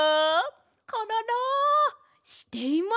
コロロしています！